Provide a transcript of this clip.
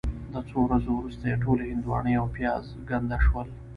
د څو ورځو وروسته یې ټولې هندواڼې او پیاز ګنده شول.